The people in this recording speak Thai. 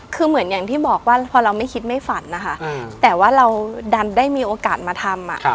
คือเหมือนอย่างที่บอกว่าพอเราไม่คิดไม่ฝันนะคะแต่ว่าเราดันได้มีโอกาสมาทำ